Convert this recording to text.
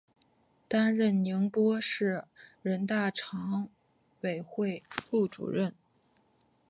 担任宁波市人大常委会副主任。